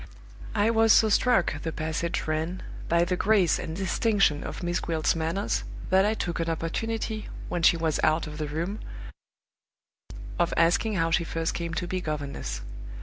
"I was so struck," the passage ran, "by the grace and distinction of Miss Gwilt's manners that I took an opportunity, when she was out of the room, of asking how she first came to be governess.